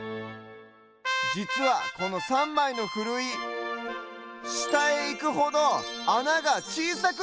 じつはこの３まいのふるいしたへいくほどあながちいさくなってる！